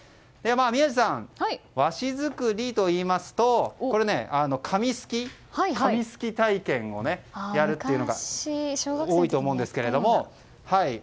宮司さん、和紙作りといいますと紙すき体験をやるっていうのが多いと思うんですけど。